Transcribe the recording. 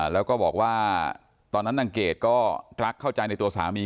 แล้วก็บอกว่าตอนนั้นนางเกดก็รักเข้าใจในตัวสามี